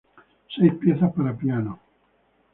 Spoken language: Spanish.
Seis piezas para piano, op.